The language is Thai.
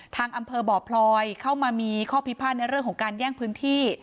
ทางอำเภอบ่อพลอยเข้ามามีข้อพิพาทในเรื่องของการแย่งพื้นที่